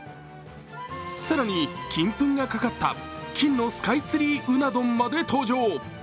更に、金粉がかかった金のスカイツリーうな丼まで登場。